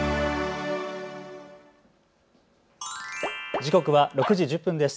時刻は６時１０分です。